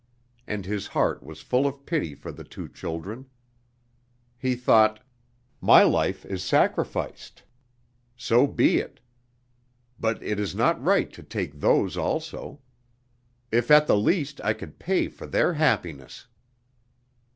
And his heart was full of pity for the two children. He thought: "My life is sacrificed. So be it! But it is not right to take those also. If at the least I could pay for their happiness!"